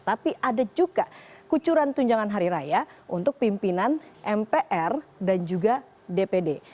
tapi ada juga kucuran tunjangan hari raya untuk pimpinan mpr dan juga dpd